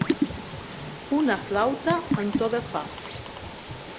Una flauta en to de fa.